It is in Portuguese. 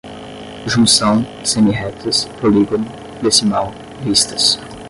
junção, semi-retas, polígono, decimal, vistas